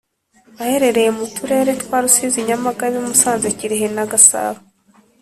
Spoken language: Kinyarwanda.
aherereye mu turere twa rusizi, nyamagabe, musanze, kirehe na gasabo.